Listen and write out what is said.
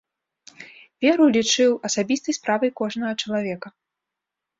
Веру лічыў асабістай справай кожнага чалавека.